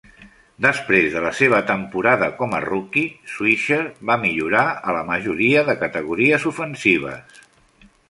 Després de la seva temporada com a rookie, Swisher va millorar a la majoria de categories ofensives.